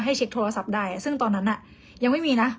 เช็คโทรศัพท์ได้ซึ่งตอนนั้นยังไม่มีนะ